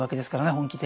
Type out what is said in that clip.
本気で。